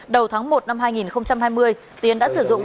đầu tháng một năm hai nghìn hai mươi tiến đã sử dụng